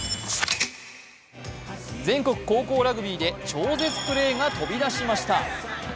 全国高校ラグビーで超絶プレーが飛び出しました。